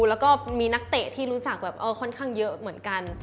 แล้วก็มีนักเตะที่รู้จักแบบค่อนข้างเยอะเหมือนกัน